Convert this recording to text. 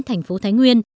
thành phố thái nguyên